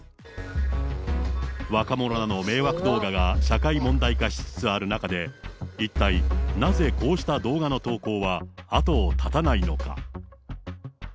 若者らの迷惑動画が社会問題化しつつある中で、一体、なぜこうした動画の投稿は後を絶たないのか。